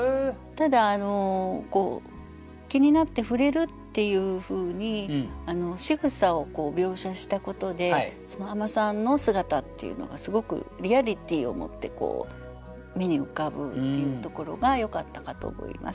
ただ気になって触れるっていうふうにしぐさを描写したことで海女さんの姿っていうのがすごくリアリティーをもって目に浮かぶっていうところがよかったかと思います。